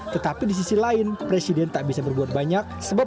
tetapi di sisi lain presiden tak bisa berbuat banyak sebab